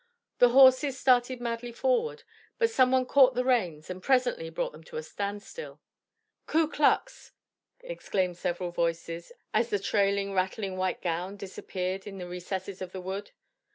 The horses started madly forward, but some one caught the reins and presently brought them to a standstill. "Ku Klux!" exclaimed several voices, as the trailing, rattling white gown disappeared in the recesses of the wood.